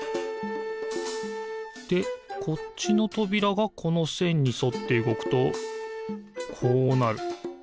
でこっちのとびらがこのせんにそってうごくとこうなる。